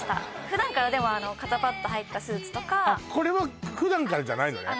普段からでもあの肩パッド入ったスーツとかこれは普段からじゃないのね